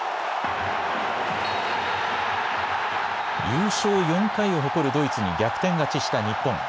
優勝４回を誇るドイツに逆転勝ちした日本。